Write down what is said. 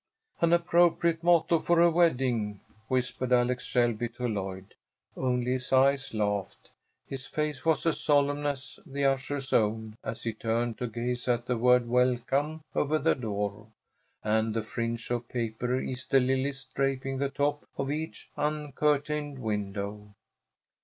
"An appropriate motto for a wedding," whispered Alex Shelby to Lloyd. Only his eyes laughed. His face was as solemn as the usher's own as he turned to gaze at the word "Welcome" over the door, and the fringe of paper Easter lilies draping the top of each uncurtained window.